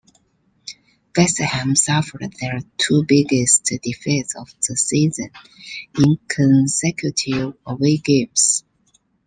West Ham suffered their two biggest defeats of the season in consecutive away games.